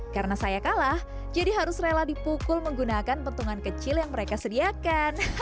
karena saya kalah jadi harus rela dipukul menggunakan pentungan kecil yang mereka sediakan